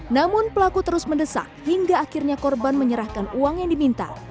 namun pelaku terus mendesak hingga akhirnya korban menyerahkan uang yang diminta